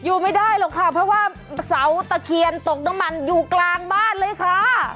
อยู่ไม่ได้หรอกค่ะเพราะว่าเสาตะเคียนตกน้ำมันอยู่กลางบ้านเลยค่ะ